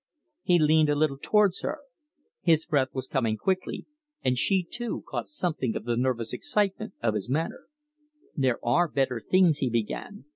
He leaned a little towards her. His breath was coming quickly, and she, too, caught something of the nervous excitement of his manner. "There are better things," he began.